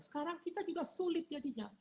sekarang kita juga sulit jadinya